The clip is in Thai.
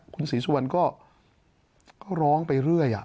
คุณศรีสุวรรณก็ร้องไปเรื่อย